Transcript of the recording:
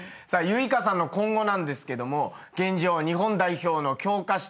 結翔さんの今後なんですけども現状は日本代表の強化